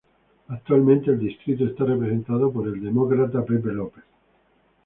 Actualmente el distrito está representado por el Demócrata John Barrow.